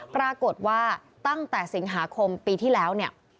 ปรากฏว่าตั้งแต่สิงหาคมปีที่แล้วเนี่ย